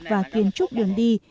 và kiến trúc đường đi